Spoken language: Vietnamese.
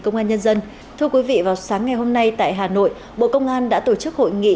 công an nhân dân thưa quý vị vào sáng ngày hôm nay tại hà nội bộ công an đã tổ chức hội nghị